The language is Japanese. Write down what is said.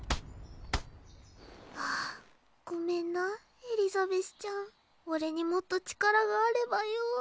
あぁごめんなエリザベスちゃん。俺にもっと力があればよぉ。